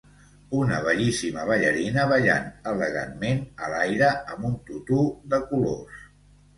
Una bellíssima ballarina ballant elegantment a l'aire amb un tutú de colors.